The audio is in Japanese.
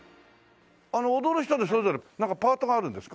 あの踊る人でそれぞれなんかパートがあるんですか？